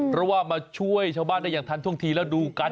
เพราะว่ามาช่วยชาวบ้านได้อย่างทันท่วงทีแล้วดูกัน